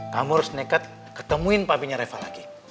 kamu harus nekat ketemuin pabriknya reva lagi